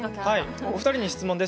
お二人に質問です。